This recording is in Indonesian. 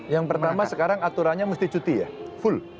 yang pertama sekarang aturannya mesti cuti ya full